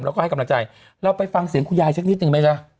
แล้วก็ให้กำลังใจเราไปฟังเสียงคุณยายสักนิดนึงไหมจ๊ะ